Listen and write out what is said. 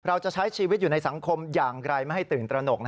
เราจะใช้ชีวิตอยู่ในสังคมอย่างไรไม่ให้ตื่นตระหนก